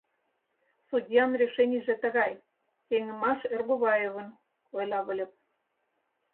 — Судьян решенийже тыгай: сеҥымаш Эргуваевын, — ойла Выльып.